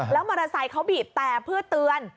แล้วมอเตอร์ไซค์เขาบีบแต่เพื่อเตือน